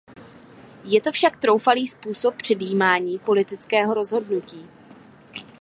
Je to však troufalý způsob předjímání politického rozhodnutí.